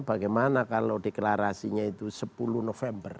bagaimana kalau deklarasinya itu sepuluh november